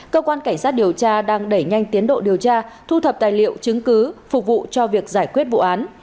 cơ quan cảnh sát điều tra đang đẩy nhanh tiến độ điều tra thu thập tài liệu chứng cứ phục vụ cho việc giải quyết vụ án